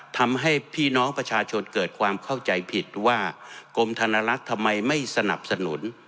ทำให้พี่น้องประชาชนเกิดความเข้าใจผิดว่ากรมธนรัฐทำไมไม่สนับสนุน